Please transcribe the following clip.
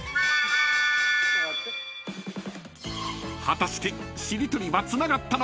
［果たしてしりとりはつながったのか？］